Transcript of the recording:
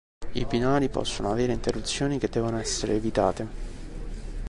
I binari possono avere interruzioni che devono essere evitate.